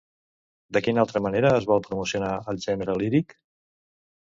De quina altra manera es vol promocionar el gènere líric?